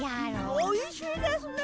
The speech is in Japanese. おいしいですね。